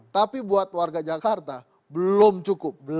tapi buat warga jakarta belum cukup